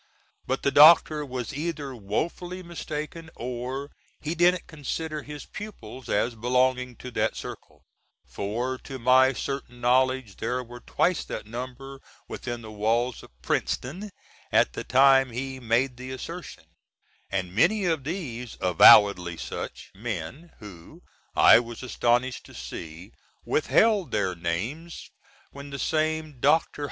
But the Dr. was either woefully mistaken or he didn't consider his pupils as belonging to that circle; for to my certain knowledge there were twice that number within the walls of "Princeton" at the time he made the assertion, and many of these avowedly such men who, I was astonished to see, withheld their names when the same Dr. H.